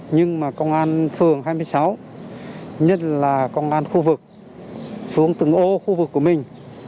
nhưng mà công an phường hai mươi sáu nhất là công an khu vực xuống từng ô khu vực của mình